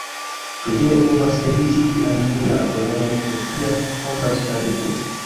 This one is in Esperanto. Ĉu vi ne povas evitigi al mi la doloron de tia kontraŭstarigo?